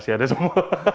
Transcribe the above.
masih ada semua